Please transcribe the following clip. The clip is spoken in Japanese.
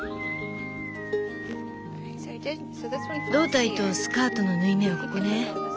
胴体とスカートの縫い目はここね。